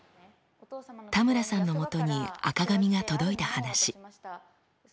田村さんのもとに赤紙が届いた話。